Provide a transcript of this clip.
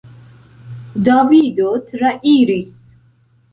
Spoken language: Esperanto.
Davido trairis.